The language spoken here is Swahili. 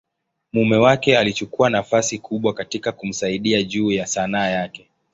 mume wake alichukua nafasi kubwa katika kumsaidia juu ya Sanaa yake.